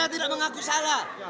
saya tidak mengaku salah